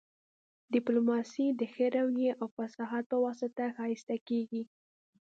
ډیپلوماسي د ښه رويې او فصاحت په واسطه ښایسته کیږي